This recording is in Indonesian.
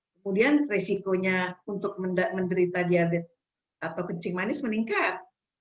kemudian resikonya untuk menderita diabetes atau kencing manis meningkat